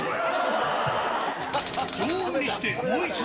常温にしてもう一度。